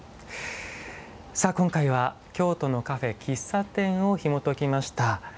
さあ今回は「京都のカフェ・喫茶店」をひもときました。